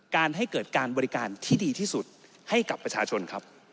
ให้เกิดการบริการที่ดีที่สุดให้กับประชาชนครับ